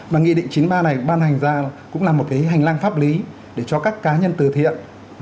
mà nghị định chín mươi ba này ban hành ra cũng là một cái hành lang pháp lý để cho các cá nhân từ thiện